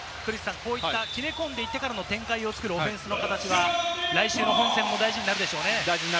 切れ込んでいってからの展開を作るオフェンスの形は来週の本戦も大事になるでしょうね。